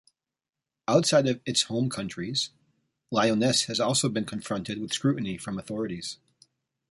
Outside of its home countries, Lyoness has also been confronted with scrutiny from authorities.